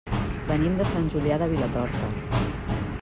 Venim de Sant Julià de Vilatorta.